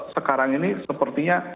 sekarang ini sepertinya